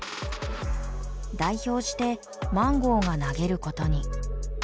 代表してマンゴーが投げることに。